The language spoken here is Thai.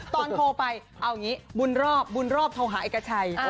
ตอนโทรไปเอาอย่างนี้บุญรอบบุญรอบโทรหาเอกชัย